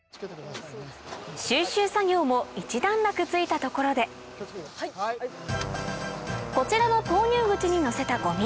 収集作業も一段落ついたところでこちらの投入口に乗せたごみ